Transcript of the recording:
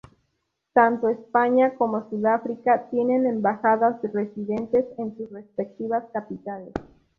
Tanto España como Sudáfrica tienen Embajadas residentes en sus respectivas capitales.